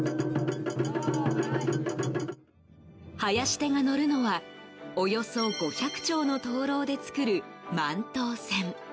はやし手が乗るのはおよそ５００丁の灯篭で作る万灯船。